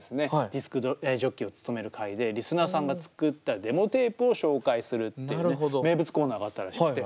ディスクジョッキーを務める回でリスナーさんが作ったデモテープを紹介するっていうね名物コーナーがあったらしくて。